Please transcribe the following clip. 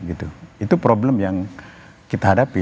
itu problem yang kita hadapi